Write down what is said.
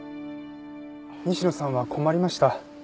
西野さんは困りました。